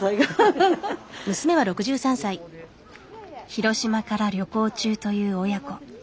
広島から旅行中という親子。